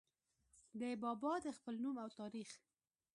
د بابا د خپل نوم او تاريخ